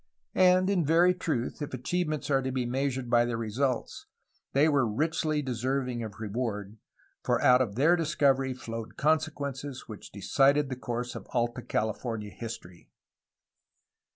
And in very truth, if achieve ments are to be measured by their results, they were richly deserving of reward, for out of their discovery flowed con sequences which decided the course of Alta California history.